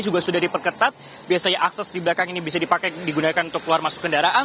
juga sudah diperketat biasanya akses di belakang ini bisa digunakan untuk keluar masuk kendaraan